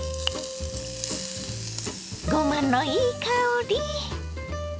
ごまのいい香り。